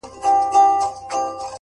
بېزاره به سي خود يـــاره له جنگه ككـرۍ؛